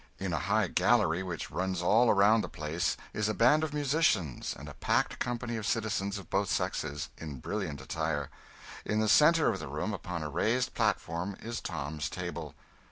In a high gallery which runs all around the place is a band of musicians and a packed company of citizens of both sexes, in brilliant attire. In the centre of the room, upon a raised platform, is Tom's table.